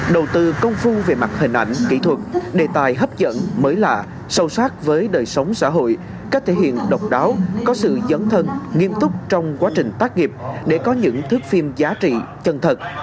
đầu tư công phu về mặt hình ảnh kỹ thuật đề tài hấp dẫn mới lạ sâu sát với đời sống xã hội cách thể hiện độc đáo có sự dấn thân nghiêm túc trong quá trình tác nghiệp để có những thước phim giá trị chân thật